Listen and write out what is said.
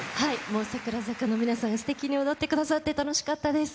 もう櫻坂の皆さんがすてきに踊ってくださって楽しかったです。